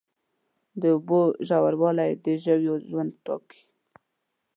د اوبو ژوروالی د ژویو ژوند ټاکي.